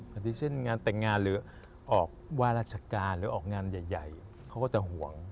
อันนี้เช่นงานแต่งงานหรือออกว่าราชการหรือออกงานใหญ่เขาก็จะห่วง